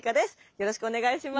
よろしくお願いします。